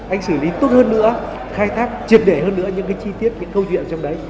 anh xử lý tốt hơn nữa khai thác triệt để hơn nữa những cái chi tiết những câu chuyện trong đấy